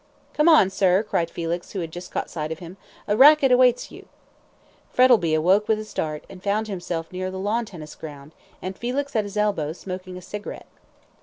"Come on, sir," cried Felix, who had just caught sight of him, "a racket awaits you." Frettlby awoke with a start, and found himself near the lawn tennis ground, and Felix at his elbow, smoking a cigarette.